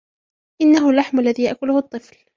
إنهُ اللَحم الذي يأكُلهُ الطفل.